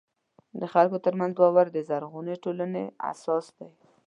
د خلکو ترمنځ باور د زرغونې ټولنې اساس دی.